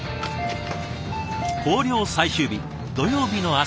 校了最終日土曜日の朝。